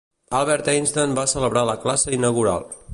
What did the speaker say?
Albert Einstein va celebrar la classe inaugural.